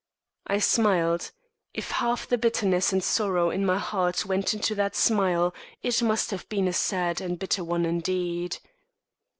I smiled. If half the bitterness and sorrow in my heart went into that smile, it must have been a sad and bitter one indeed.